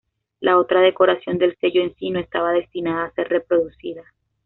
La otra decoración del sello en sí no estaba destinada a ser reproducida.